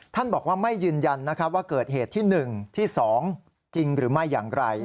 บอกว่าไม่ยืนยันว่าเกิดเหตุที่๑ที่๒จริงหรือไม่อย่างไร